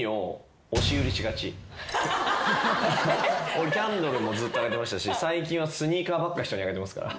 俺キャンドルもずっとあげてましたし最近はスニーカーばっか人にあげてますから。